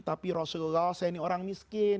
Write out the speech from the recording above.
tapi rasulullah saya ini orang miskin